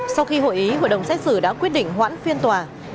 sau khi hội ý hội đồng xét xử đã quyết định hoãn phiên tòa